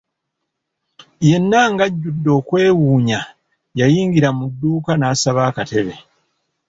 Yenna ng'ajjudde okwewuunya yayingira mu dduuka n'asaba akatebe.